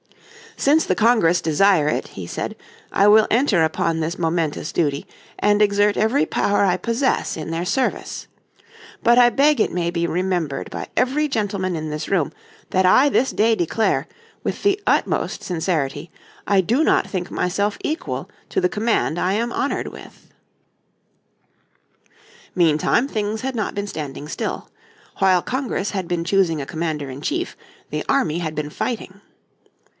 "Since the Congress desire it," he said, "I will enter upon this momentous duty, and exert every power I possess in their service. But I beg it may be remembered by every gentleman in this room that I this day declare, with the utmost sincerity, I do not think myself equal to the command I am honoured with," Meantime things had not been standing still; while Congress had been choosing a commander in chief the army had been fighting.